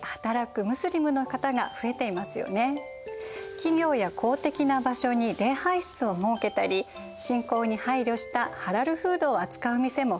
企業や公的な場所に礼拝室を設けたり信仰に配慮したハラルフードを扱う店も増えてきました。